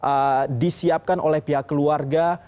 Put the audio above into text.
atau yang harus disiapkan oleh pihak keluarga